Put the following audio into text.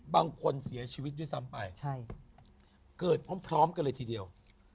บางคนเสียชีวิตด้วยซ้ำไปใช่เกิดพร้อมกันเลยทีเดียว